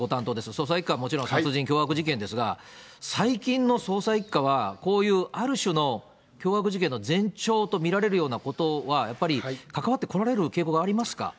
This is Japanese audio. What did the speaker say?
捜査１課はもちろん、殺人、凶悪事件ですが、最近の捜査１課は、こういうある種の凶悪事件の前兆と見られるようなことは、やっぱりかかわってこられる傾向がありますか。